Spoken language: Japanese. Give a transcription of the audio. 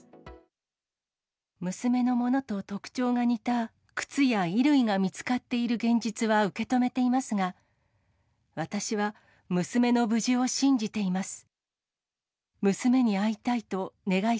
娘のものと特徴が似た靴や衣類が見つかっている現実は受け止めていますが、私は娘の無事を信じています。